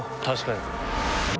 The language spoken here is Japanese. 確かに。